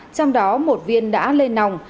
trong đó một viên đã lên nòng